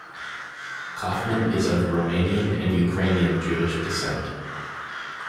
Kaufman is of Romanian and Ukrainian Jewish descent.